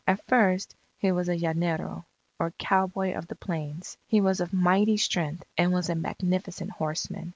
At first he was a llanero or cowboy of the plains. He was of mighty strength, and was a magnificent horseman.